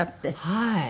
はい。